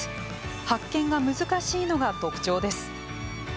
発見が難しいのが特徴です。